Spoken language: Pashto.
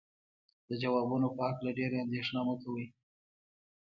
د ځوابونو په هکله ډېره اندېښنه مه کوئ.